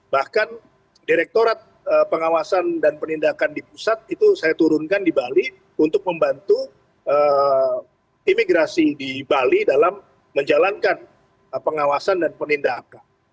bahkan direktorat pengawasan dan penindakan di pusat itu saya turunkan di bali untuk membantu imigrasi di bali dalam menjalankan pengawasan dan penindakan